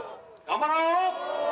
頑張ろう！